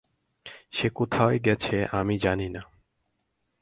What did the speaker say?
সে কোথায় গেছে আমি জানি না।